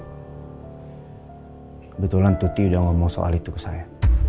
kebetulan tuti udah ngomong soal itu ke saya